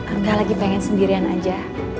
angga lagi pengen sendirian aja